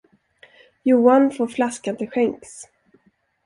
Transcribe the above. Johan får flaskan till skänks!